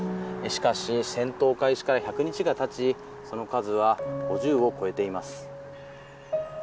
しかし戦闘開始から１００日がたちその数は５０を超えています。